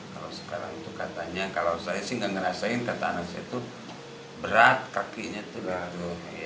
kalau sekarang itu katanya kalau saya sih nggak ngerasain kata anak saya itu berat kakinya itu baru